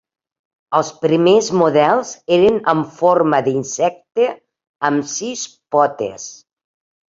Els primers models eren amb forma d'insecte amb sis potes.